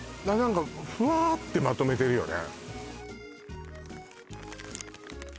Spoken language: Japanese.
ふわってまとめてるよね